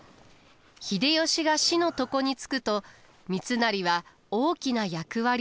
秀吉が死の床につくと三成は大きな役割を担うことになります。